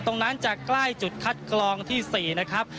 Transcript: ตรงนั้นจะใกล้จุดคัดกรองที่๔นะครับ